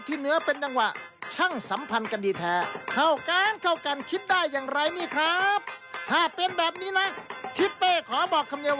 ดีก็แปลกดีนะครับ